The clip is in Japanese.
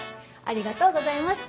ありがとうございます。